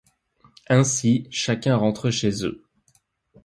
Ainsi chacun rentre chez eux.